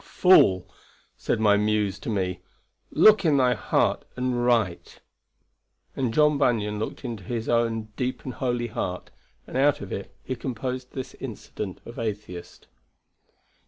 "Fool, said my Muse to me, look in thy heart and write." And John Bunyan looked into his own deep and holy heart, and out of it he composed this incident of Atheist.